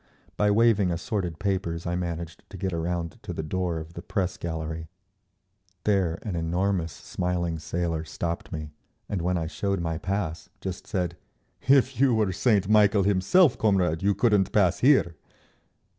By waving assorted papers I managed to get around to the door of the press gallery. There an enormous smiling sailor stopped me, and when I showed my pass, just said, "If you were Saint Michael himself, comrade, you couldn't pass here!"